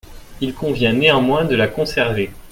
Il convient néanmoins de la conserver.